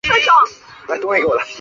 山东乡试第四名。